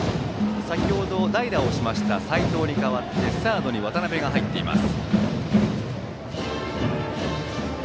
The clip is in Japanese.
先程代打をしました齋藤に代わってサードに渡邊が入っています。